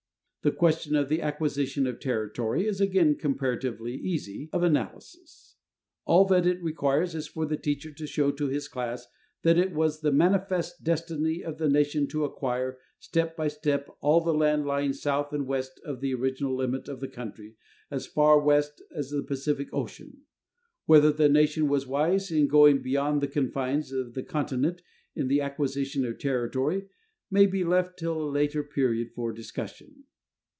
The question of the acquisition of territory is again comparatively easy of analysis. All that it requires is for the teacher to show to his class that it was the "manifest destiny" of the nation to acquire, step by step, all the land lying south and west of the original limits of the country as far west as the Pacific Ocean. Whether the nation was wise in going beyond the confines of the continent in the acquisition of territory may be left till a later period for discussion.